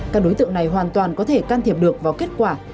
các đối tượng này hoàn toàn có thể can thiệp được vào kết quả